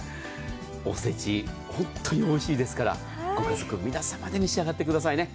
おせち、本当においしいですからご家族皆さまで召し上がってくださいね。